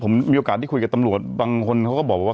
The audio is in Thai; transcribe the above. เขารู้ว่ามันมีเรื่องของการเสพยาเรื่องอะไรบนคอนโดอะ